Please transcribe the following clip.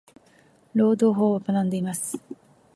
労働法を学んでいます。。